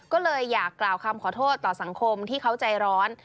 ก็เลยอยากกล่าวคำขอโทษต่อสังคมที่เขาใจร้อน